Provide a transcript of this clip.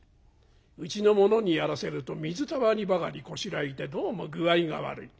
うちの者にやらせると水たまりばかりこしらえてどうも具合が悪い。